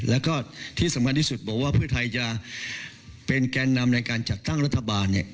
แล้วก็ที่สำคัญที่สุดบอกว่าเพื่อไทยจะเป็นแกนนำในการจัดตั้งรัฐบาล